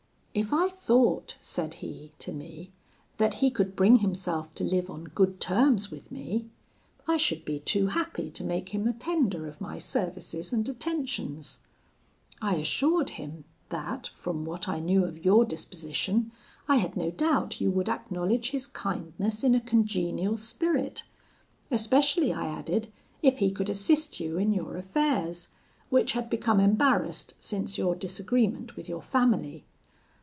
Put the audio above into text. "'If I thought,' said he to me, 'that he could bring himself to live on good terms with me, I should be too happy to make him a tender of my services and attentions.' I assured him that, from what I knew of your disposition, I had no doubt you would acknowledge his kindness in a congenial spirit: especially, I added, if he could assist you in your affairs, which had become embarrassed since your disagreement with your family.